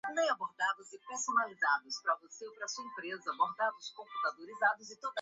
Santa Isabel do Ivaí